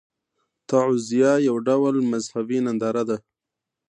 تعزیه یو ډول مذهبي ننداره ده.